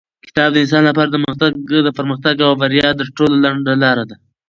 کتاب د انسان لپاره د پرمختګ او بریا تر ټولو لنډه لاره ده.